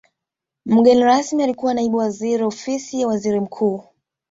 mgeni rasmi alikuwa naibu waziri ofisi ya waziri mkuu